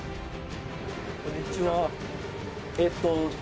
こんにちは。